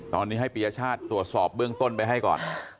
ตอนนี้ให้ปียชาติตรวจสอบเบื้องต้นไปให้ก่อน